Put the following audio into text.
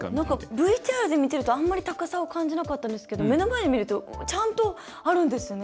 ＶＴＲで見てるとあんまり高さを感じなかったんですけど目の前で見るとちゃんとあるんですよね。